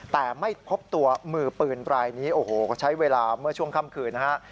แต่ไม่พบตัวมือปืนรายนี้โอ้โหใช้เวลาเมื่อช่วงค่ำคืนนะฮะ